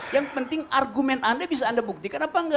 yang penting argumen anda bisa anda buktikan